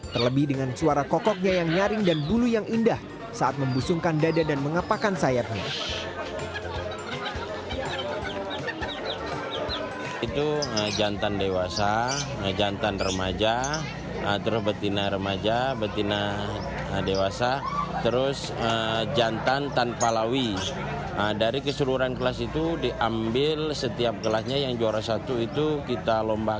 terlebih dengan suara kokoknya yang nyaring dan bulu yang indah saat membusungkan dada dan mengapakan sayapnya